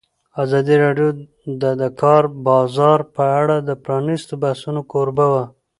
ازادي راډیو د د کار بازار په اړه د پرانیستو بحثونو کوربه وه.